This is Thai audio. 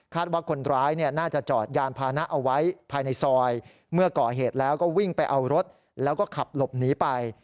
ว่าคนร้ายน่าจะจอดยานพานะเอาไว้ภายในซอยเมื่อก่อเหตุแล้วก็วิ่งไปเอารถแล้วก็ขับหลบหนีไป